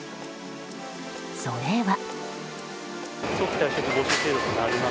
それは。